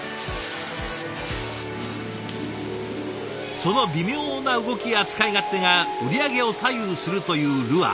その微妙な動きや使い勝手が売り上げを左右するというルアー。